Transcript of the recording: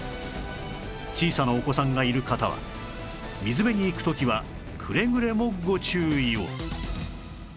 小さなお子さんがいる方は水辺に行く時はくれぐれもご注意を